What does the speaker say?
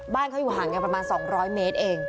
บ้านเขาอยู่ห่างกันประมาณ๒๐๐เมตรเอง